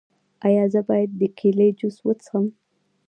ایا زه باید د کیلي جوس وڅښم؟